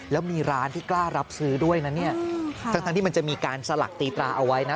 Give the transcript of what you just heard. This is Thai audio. แล้วมีร้านที่กล้ารับซื้อด้วยนะเนี่ยทั้งที่มันจะมีการสลักตีตราเอาไว้นะ